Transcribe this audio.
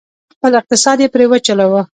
خپل اقتصاد یې پرې وچلوه،